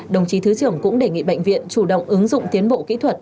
đồng chí thứ trưởng cũng đề nghị bệnh viện chủ động ứng dụng tiến bộ kỹ thuật